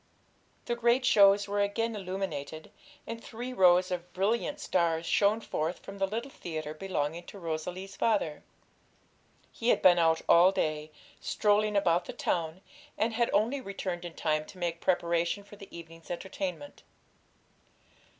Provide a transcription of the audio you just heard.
The great shows were again illuminated, and three rows of brilliant stars shone forth from the little theatre belonging to Rosalie's father. He had been out all day, strolling about the town, and had only returned in time to make preparation for the evening's entertainment.